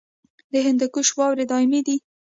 د هندوکش واورې دایمي دي